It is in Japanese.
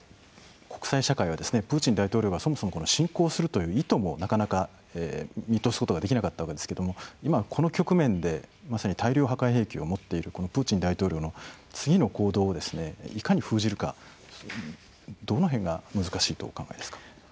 国際社会はプーチン大統領はそもそも侵攻するという意図もなかなか見通すことができなかったわけですけれども今、この局面でまさに大量破壊兵器を持っているこのプーチン大統領の次の行動をいかに封じるか、どの辺が難しいとお考えですか？